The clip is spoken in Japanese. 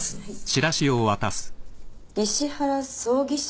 石原葬儀社？